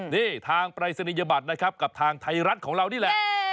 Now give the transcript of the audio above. นี่ทางปรายศนียบัตรนะครับกับทางไทยรัฐของเรานี่แหละ